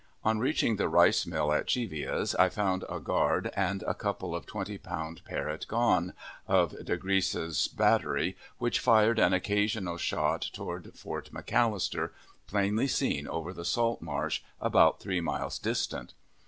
On reaching the rice mill at Cheevea's, I found a guard and a couple of twenty pound Parrott gone, of De Gres's battery, which fired an occasional shot toward Fort McAllister, plainly seen over the salt marsh, about three miles distant.